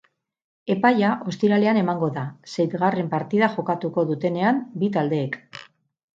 Epaia ostiralean emango da, seitgarren partida jokatuko dutenean bi taldeek.